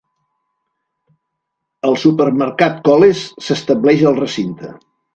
El supermercat Coles s'estableix al recinte.